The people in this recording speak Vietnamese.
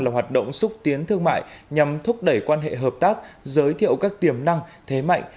là hoạt động xúc tiến thương mại nhằm thúc đẩy quan hệ hợp tác giới thiệu các tiềm năng thế mạnh